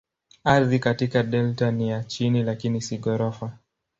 Ardhi katika delta ni ya chini lakini si ghorofa.